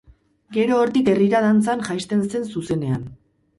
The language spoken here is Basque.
Gero hortik herrira dantzan jaisten zen zuzenean.